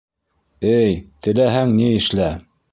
Эй, теләһәң ни эшлә!